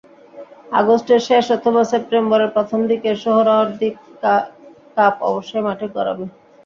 আগস্টের শেষ অথবা সেপ্টেম্বরের প্রথম দিকে সোহ্রাওয়ার্দী কাপ অবশ্যই মাঠে গড়াবে।